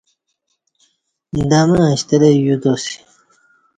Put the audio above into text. دمہ ا شترہ یوتاسی